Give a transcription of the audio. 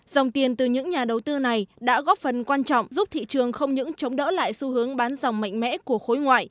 dòng tiền từ những nhà đầu tư này đã góp phần quan trọng giúp thị trường không những chống đỡ lại xu hướng bán dòng mạnh mẽ của khối ngoại